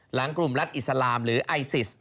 หลังกลุ่มรัฐอิสลามหรือไอซิส